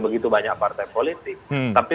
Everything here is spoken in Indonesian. begitu banyak partai politik tapi